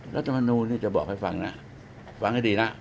รัฐมนูลนี่จะบอกให้ฟังนะฟังให้ดีนะ